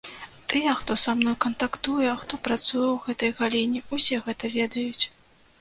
Тыя, хто са мной кантактуе, хто працуе ў гэтай галіне, усе гэта ведаюць.